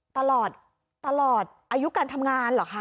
ตลอดตลอดอายุการทำงานเหรอคะ